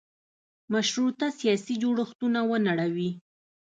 مشروطه سیاسي جوړښتونه ونړوي.